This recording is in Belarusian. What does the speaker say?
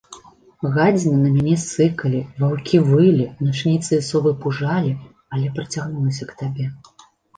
Гадзіны на мяне сыкалі, ваўкі вылі, начніцы і совы пужалі, але прыцягнулася к табе.